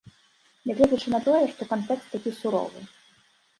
Нягледзячы на тое, што кантэкст такі суровы.